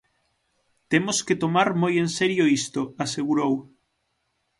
"Temos que tomar moi en serio isto", asegurou.